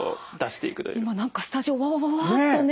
今何かスタジオわわわわっとね。